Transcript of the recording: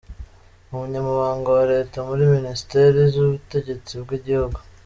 Umunyamabanga wa Leta muri Minisiteri y’ubutegetsi bw’igihugu,